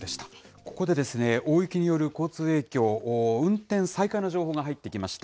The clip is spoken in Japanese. ここでですね、大雪による交通影響、運転再開の情報が入ってきました。